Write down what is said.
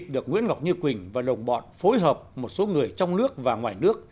được nguyễn ngọc như quỳnh và đồng bọn phối hợp một số người trong nước và ngoài nước